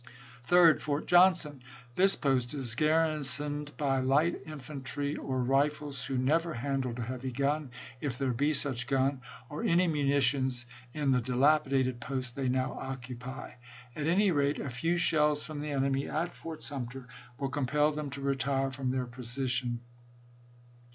Third. Fort Johnson : This post is garrisoned by light infantry or rifles, who never handled a heavy gun, if there be such gun, or any munitions in the dilapidated post they now occupy. At any rate, a few shells from the enemy at Fort Sumter will compel them to retire from their position.